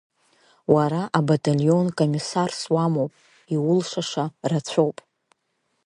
Уара абаталион комиссарс уамоуп, иулшаша рацәоуп.